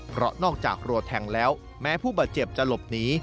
เพราะนอกจากรัวแทงแล้วแม้ผู้บาดเจ็บจะหลบหนี